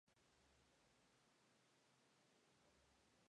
Comenzó su carrera en Unión La Calera.